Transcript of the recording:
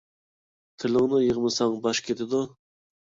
تىلىڭنى يىغمىساڭ باش كېتىدۇ.